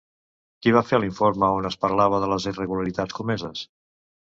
Qui va fer l'informe on es parlava de les irregularitats comeses?